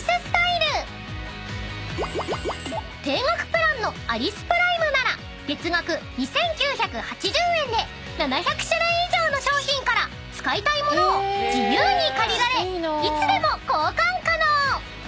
［定額プランのアリスプライムなら月額２，９８０円で７００種類以上の商品から使いたい物を自由に借りられいつでも交換可能］